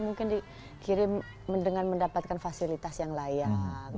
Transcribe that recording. mungkin dikirim dengan mendapatkan fasilitas yang layak